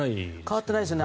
変わってないです。